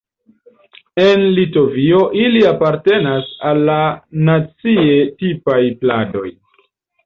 En Litovio ili apartenas al la nacie tipaj pladoj.